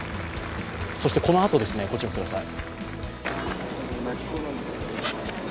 そしてこのあと、ご注目ください。